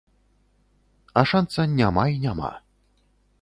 А шанца няма і няма.